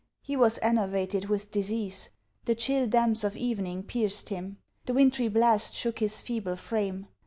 He was enervated with disease. The chill damps of evening pierced him. The wintry blast shook his feeble frame.